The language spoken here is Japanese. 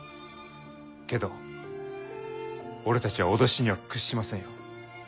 けど俺たちは脅しには屈しませんよ。